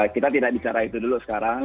kita tidak bicara itu dulu sekarang